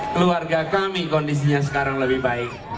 keluarga kami kondisinya sekarang lebih baik